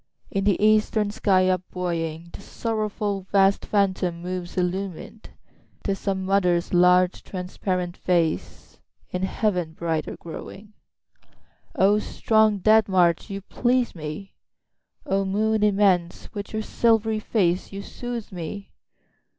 7In the eastern sky up buoying, The sorrowful vast phantom moves illumin'd;('Tis some mother's large, transparent face, In heaven brighter growing.)8O strong dead march, you please me!O moon immense, with your silvery face you soothe me!